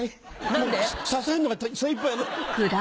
もう支えるのが精いっぱい。